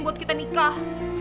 buat kita nikah